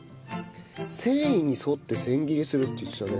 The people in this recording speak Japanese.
繊維に沿って千切りにするって言ってたね。